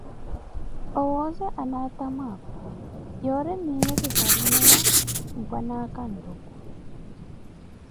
Owooze anaatamu apo, yoori miiyo ki karumeya wha Mpwanaaka Nluku.